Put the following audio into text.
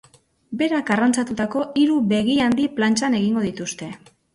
Berak arrantzatutako hiru begihandi plantxan egingo dituzte.